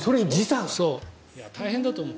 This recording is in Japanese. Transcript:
大変だと思う。